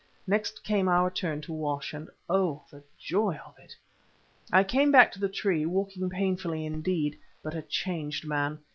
Next came our turn to wash, and oh, the joy of it! I came back to the tree, walking painfully, indeed, but a changed man.